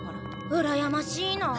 うらやましいなあ。